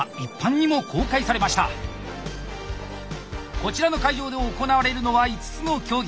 こちらの会場で行われるのは５つの競技。